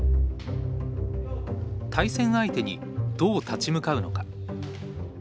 対戦相手にどう立ち向かうのか。